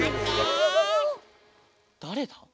だれだ？